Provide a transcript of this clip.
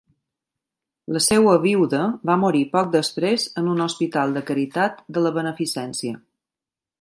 La seua viuda va morir poc després en un hospital de caritat de la beneficència.